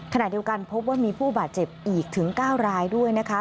ขณะเดียวกันพบว่ามีผู้บาดเจ็บอีกถึง๙รายด้วยนะคะ